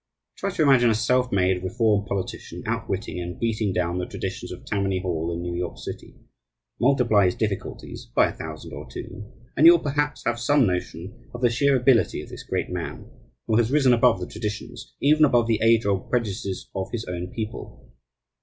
Try to imagine a self made, reform politician outwitting and beating down the traditions of Tammany Hall in New York City, multiply his difficulties by a thousand or two, and you will perhaps have some notion of the sheer ability of this great man, who has risen above the traditions, even above the age old prejudices of his own people.